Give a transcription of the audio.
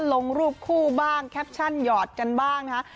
ลงรูปคู่บ้างแคปชั่นหยอดกันบ้างนะคะ